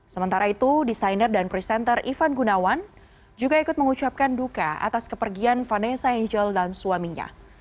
sementara itu desainer dan presenter ivan gunawan juga ikut mengucapkan duka atas kepergian vanessa angel dan suaminya